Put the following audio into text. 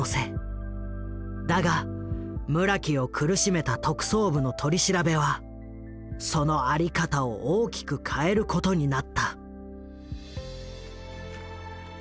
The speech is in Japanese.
だが村木を苦しめた特捜部の取り調べはその在り方を大きく変えることになった。